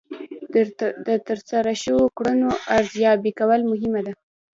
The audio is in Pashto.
د ترسره شوو کړنو ارزیابي کول مهمه ده.